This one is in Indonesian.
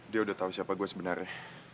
dia udah tau siapa gue sebenernya